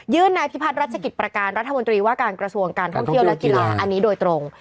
นายพิพัฒนรัชกิจประการรัฐมนตรีว่าการกระทรวงการท่องเที่ยวและกีฬาอันนี้โดยตรง